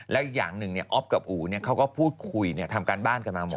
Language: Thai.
แล้วอีกอย่างหนึ่งอ๊อฟกับอู๋เขาก็พูดคุยทำการบ้านกันมาหมด